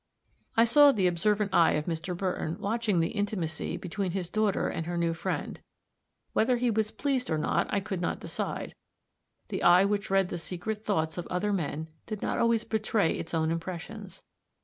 I saw the observant eye of Mr. Burton watching the intimacy between his daughter and her new friend; whether he was pleased or not, I could not decide; the eye which read the secret thoughts of other men did not always betray its own impressions.